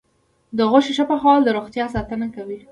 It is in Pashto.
د غوښې ښه پخول د روغتیا ساتنه کوي.